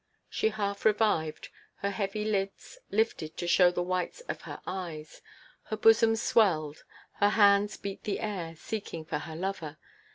She half revived; her heavy lids lifted to show the whites of the eyes, her bosom swelled, her hands beat the air, seeking for her lover.